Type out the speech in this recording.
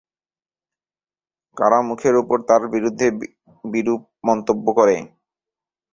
কারো মুখের ওপর তার বিরুদ্ধে বিরূপ মন্তব্য করে।